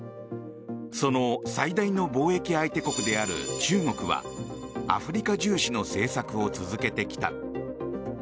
その最大の貿易相手国である中国はアフリカ重視の政策を続けてきた。